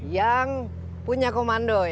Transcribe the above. yang punya komando